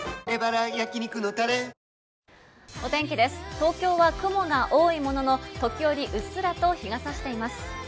東京は雲が多いものの、時よりうっすらと日が差しています。